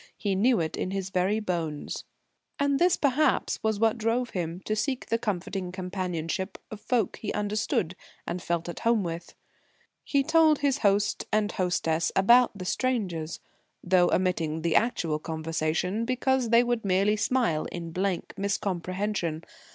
He knew it in his very bones. And this, perhaps, was what drove him to seek the comforting companionship of folk he understood and felt at home with. He told his host and hostess about the strangers, though omitting the actual conversation because they would merely smile in blank miscomprehension.